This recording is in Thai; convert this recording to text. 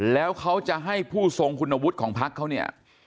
แล้วเขาจะให้ผู้ทรงคุณวุฒิของพักเขาเนี่ย